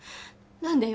何でよ？